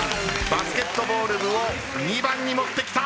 バスケットボール部を２番に持ってきた。